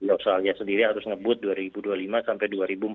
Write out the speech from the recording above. australia sendiri harus ngebut dua ribu dua puluh lima sampai dua ribu empat puluh